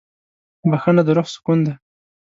بښنه د روح سکون ده.